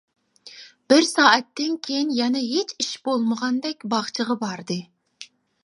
بىر سائەتتىن كېيىن يەنە ھېچ ئىش بولمىغاندەك باغچىغا باردى.